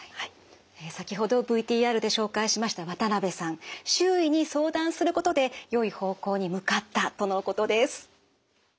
先ほどＶＴＲで紹介しました渡辺さん周囲に相談することでよい方向に向かったとのことです。